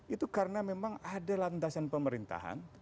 itu karena memang ada landasan pemerintahan